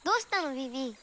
ビビ。